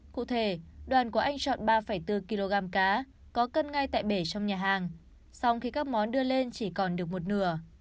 cụ thể đoàn của anh chọn ba bốn kg cá có cân ngay tại bể trong nhà hàng song khi các món đưa lên chỉ còn được một nửa